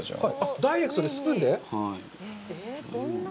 ダイレクトにスプーンで？